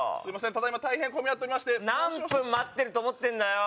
ただいま大変混み合ってまして何分待ってると思ってんだよ